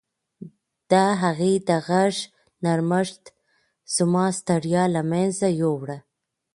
د هغې د غږ نرمښت زما ستړیا له منځه یووړه.